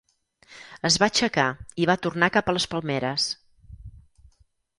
Es va aixecar i va tornar cap a les palmeres.